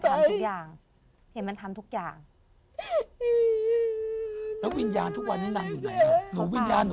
ได้ด้วยอย่างมันทำทุกอย่างแล้ววิญญาณทุกวันที่นั่งไหนวันวาด